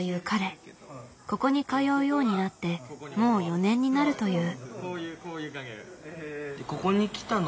ここに通うようになってもう４年になるという。